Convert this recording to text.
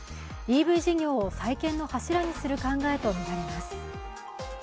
ＥＶ事業を再建の柱にする考えとみられます。